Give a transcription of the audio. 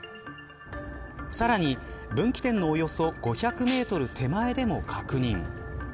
さらに、分岐点のおよそ５００メートル手前でも確認。